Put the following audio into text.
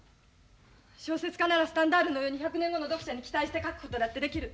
小説家ならスタンダールのように１００年後の読者に期待して書くことだってできる。